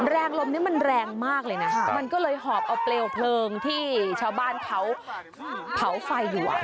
แรงลมนี้มันแรงมากเลยนะมันก็เลยหอบเอาเปลวเพลิงที่ชาวบ้านเขาเผาไฟอยู่